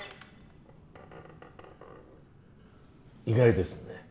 意外ですね。